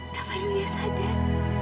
kak fadil sudah sadar